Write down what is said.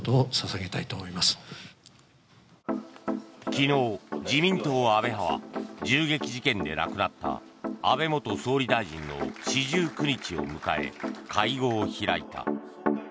昨日、自民党安倍派は銃撃事件で亡くなった安倍元総理大臣の四十九日を迎え会合を開いた。